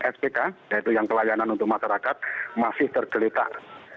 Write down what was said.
spk yaitu yang pelayanan untuk masyarakat masih tergeletak